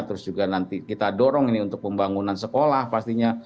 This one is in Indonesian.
terus juga nanti kita dorong ini untuk pembangunan sekolah pastinya